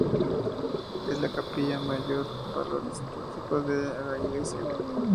Es la capilla de mayor valor artístico de la iglesia.